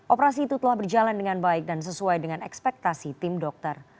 operasi itu telah berjalan dengan baik dan sesuai dengan ekspektasi tim dokter